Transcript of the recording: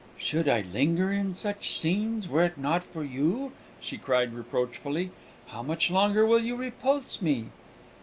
"Should I linger in such scenes were it not for you?" she cried reproachfully. "How much longer will you repulse me?"